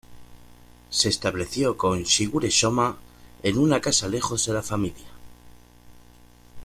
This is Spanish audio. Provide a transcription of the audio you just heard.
Se estableció con Shigure Sōma en una casa lejos de la familia.